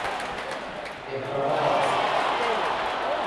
เอกราช